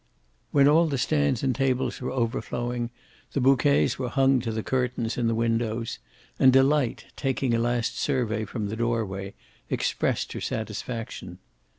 When all the stands and tables were overflowing, the bouquets were hung to the curtains in the windows. And Delight, taking a last survey, from the doorway, expressed her satisfaction.